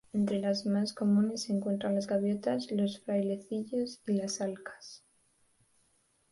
Entre las más comunes se encuentran las gaviotas, los frailecillos y las alcas.